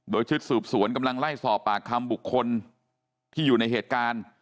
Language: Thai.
โดยชุดสืบสวนกำลังไล่สอบปากคำบุคคลที่อยู่ในเหตุการณ์